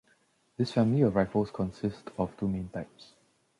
This family of rifles consist of two main types.